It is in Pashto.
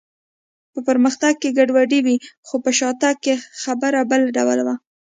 په پرمختګ کې ګډوډي وي، خو په شاتګ کې خبره بل ډول وه.